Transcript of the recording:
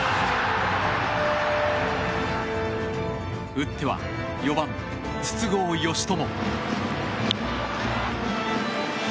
打っては４番、筒香嘉智。